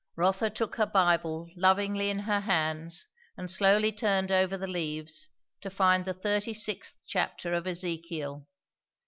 Rotha took her Bible lovingly in her hands and slowly turned over the leaves to find the thirty sixth chapter of Ezekiel.